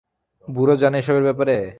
বুড়ো জানে এসবের ব্যাপারে?